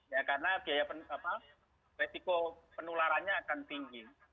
ya karena biaya apa retiko penularannya akan tinggi